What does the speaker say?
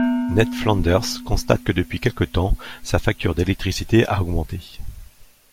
Ned Flanders constate que depuis quelque temps, sa facture d'électricité a augmenté.